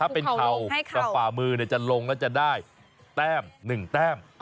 ถ้าเป็นเข่ากับฝ่ามือเนี่ยจะลงแล้วจะได้แต้มหนึ่งแต้ม